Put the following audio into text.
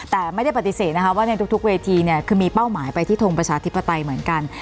แต่ไม่ได้ปฏิเสธนะคะว่าในทุกเวทีเนี่ยคือมีเป้าหมายไปที่ทงประชาธิปไตยเหมือนกัน